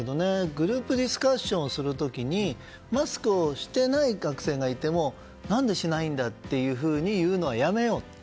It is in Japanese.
グループディスカッションをする時にマスクをしていない学生がいても何でしないんだというふうに言うのはやめよう。